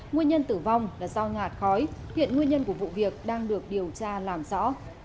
nguyên nhân tử vong là do ngạt khói hiện nguyên nhân của vụ việc đang được điều tra làm rõ